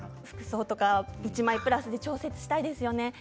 服装とか１枚プラスで調整したいですよね。